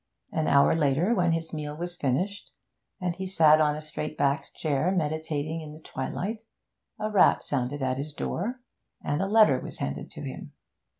An hour later, when his meal was finished, and he sat on a straight backed chair meditating in the twilight, a rap sounded at his door, and a letter was handed to him.